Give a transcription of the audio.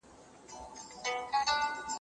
هغه کولای سي چي کتابتون ته لاړ سي.